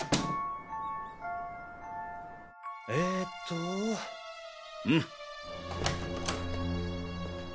ええとうん！